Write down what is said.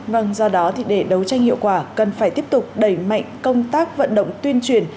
vâng do đó để đấu tranh hiệu quả cần phải tiếp tục đẩy mạnh công tác vận động tuyên truyền